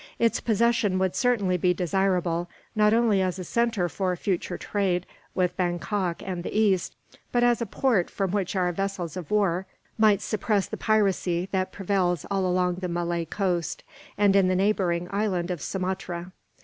Its possession would certainly be desirable, not only as a centre for future trade with Bankok and the East, but as a port from which our vessels of war might suppress the piracy that prevails all along the Malay coast, and in the neighbouring island of Sumatra.